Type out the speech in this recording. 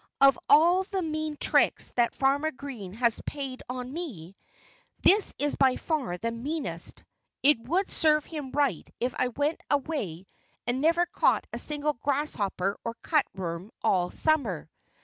"Of all the mean tricks that Farmer Green has played on me, this is by far the meanest. It would serve him right if I went away and never caught a single grasshopper or cutworm all summer."